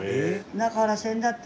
だからせんだって